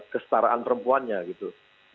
kestaraan perempuannya gitu